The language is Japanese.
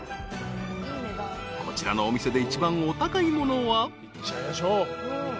［こちらのお店で一番お高いものは］